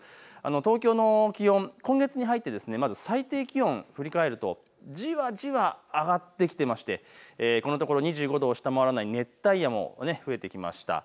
東京の気温、今月に入ってまず最低気温を振り返るとじわじわと上がってきていましてこのところ２５度を下回らない熱帯夜も増えてきました。